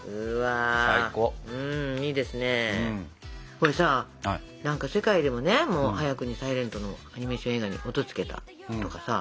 これさ世界でもね早くにサイレントのアニメーション映画に音つけたとかさ